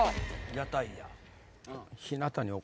屋台や。